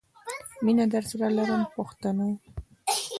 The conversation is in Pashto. مینه درسره لرم پښتنو.